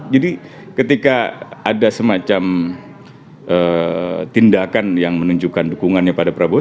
jadi ketika ada semacam tindakan yang menunjukkan dukungannya pada prabowo